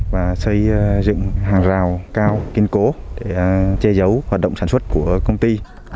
và xây dựng hàng rào cao kiên cố để che giấu hoạt động sản xuất của công ty